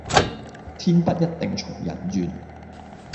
天不一定從人願